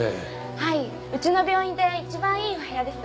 はいうちの病院で一番いいお部屋です